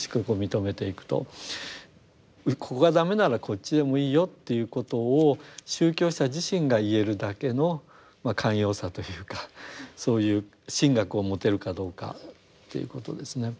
ここが駄目ならこっちでもいいよっていうことを宗教者自身が言えるだけのまあ寛容さというかそういう神学を持てるかどうかということですね。